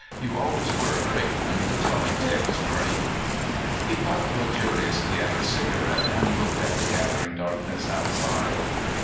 You always were a great one for telling tales, Murray." He puffed luxuriously at his cigarette and looked at the gathering darkness outside.